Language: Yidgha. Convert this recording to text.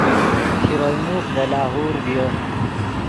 شروئے موخ دے لاہور ڤیو